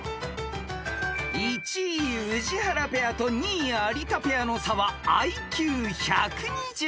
［１位宇治原ペアと２位有田ペアの差はＩＱ１２０］